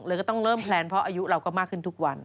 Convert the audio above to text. ก็ต้องเริ่มแพลนเพราะอายุเราก็มากขึ้นทุกวัน